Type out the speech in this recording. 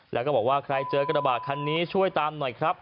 แล้วก็บอกว่าใครเจอกระบาดคันนี้ช่วยตามหน่อยครับ